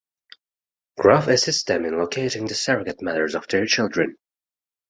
Graff assists them in locating the surrogate mothers of their children.